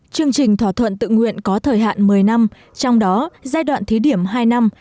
chương trình thỏa thuận tự nguyện có thời hạn một mươi năm trong đó giai đoạn thí điểm hai năm